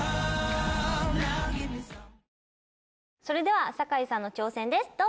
それでは酒井さんの挑戦です。